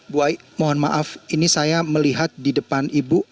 bu ai mohon maaf ini saya melihat di depan ibu